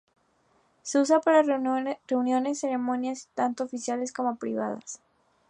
Se usa para reuniones y ceremonias, tanto oficiales como privadas.